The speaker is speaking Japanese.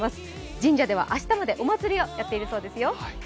神社では明日までお祭りをやっているそうですよ。